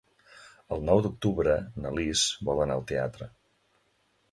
El nou d'octubre na Lis vol anar al teatre.